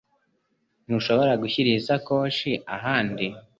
Ntushobora gushyira iyi sakoshi ahandi?